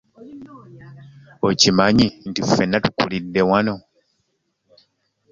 Okimanyi nti ffena tukulide wano.